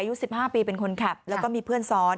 อายุ๑๕ปีเป็นคนขับแล้วก็มีเพื่อนซ้อน